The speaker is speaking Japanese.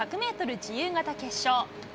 自由形決勝。